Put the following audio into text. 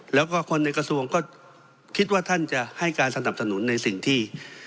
แล้วก็คนในกระทรวงก็คิดว่าท่านจะให้การสนับสนุนในสิ่งที่